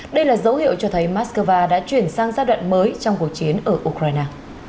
đây là dấu hiệu cho thấy moscow đã chuyển sang giai đoạn mới trong cuộc chiến ở ukraine